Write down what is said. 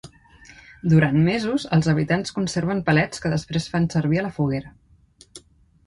Durant mesos, els habitants conserven palets que després fan servir a la foguera.